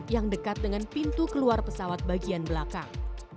yang dekat dengan pintu keluar pesawat bagian belakang